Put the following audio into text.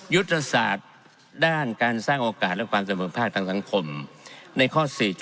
ยุทธศาสตร์ด้านการสร้างโอกาสและความเสมอภาคทางสังคมในข้อ๔๗